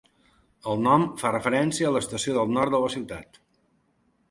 El nom fa referència a l'Estació del Nord de la ciutat.